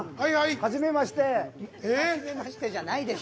はじめましてじゃないでしょ。